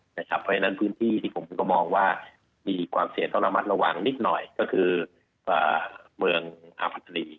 เพราะฉะนั้นพื้นที่ที่ผมก็มองว่ามีความเสี่ยงต้องระมัดระวังนิดหน่อยก็คือเมืองอาพัชรี